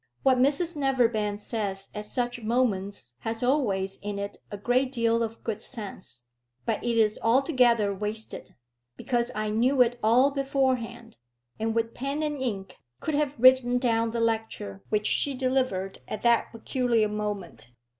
What Mrs Neverbend says at such moments has always in it a great deal of good sense; but it is altogether wasted, because I knew it all beforehand, and with pen and ink could have written down the lecture which she delivered at that peculiar moment.